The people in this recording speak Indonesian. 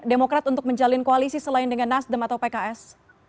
demokrat untuk menjalin koalisi selain dengan nasdem atau pks